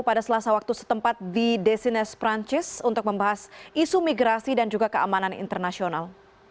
pada selasa waktu setempat di desines perancis untuk membahas isu migrasi dan juga keamanan internasional